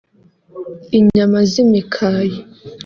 Inyama z’imikaya